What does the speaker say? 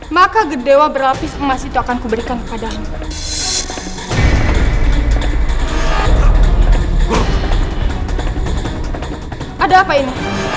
maka gedewa berlapis emas itu akan kuberikan kepada aku